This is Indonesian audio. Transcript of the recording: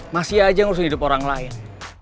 masih aja ngurusin hidup orang lain